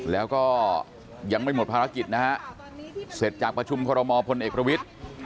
แล้วก็ยังไม่หมดภารกิจนะฮะเสร็จจากประชุมคอรมอลพลเอกประวิทธิ์